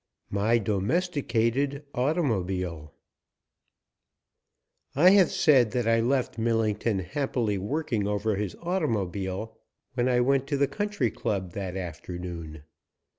MY DOMESTICATED AUTOMOBILE I HAVE said that I left Millington happily working over his automobile when I went to the Country Club that afternoon.